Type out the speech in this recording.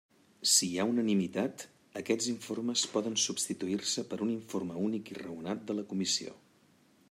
Si hi ha unanimitat, aquests informes poden substituir-se per un informe únic i raonat de la Comissió.